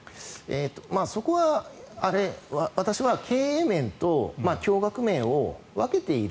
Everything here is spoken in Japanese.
そこは私は経営面と教学面を分けている。